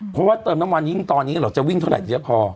เพราะว่าเติมน้ำมันยิ่งตอนนี้เราจะวิ่งเท่าไหรเดียวพอ